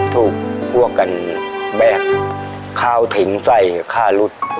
ถูกพวกกันแบกข้าวถึงไส้ข้ารุษ